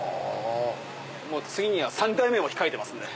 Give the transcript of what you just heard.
次には３代目も控えてますんで。